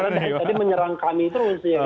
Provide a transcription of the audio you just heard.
karena tadi menyerang kami terus ya